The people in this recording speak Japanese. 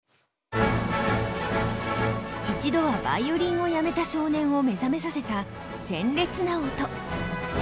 一度はヴァイオリンをやめた少年を目覚めさせた鮮烈な音。